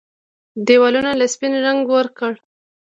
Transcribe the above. ديوالونو له سپين رنګ ورکړه